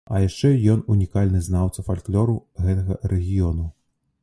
А яшчэ ён унікальны знаўца фальклору гэтага рэгіёну.